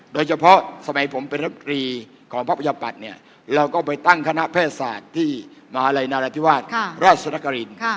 โดยเฉพาะสมัยผมเป็นรับกรีของพระพัทยาปัตย์เนี่ยเราก็ไปตั้งคณะเพศศาสตร์ที่มหาลัยนารัฐิวาสรัชนกริณ